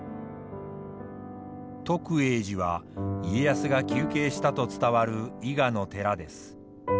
徳永寺は家康が休憩したと伝わる伊賀の寺です。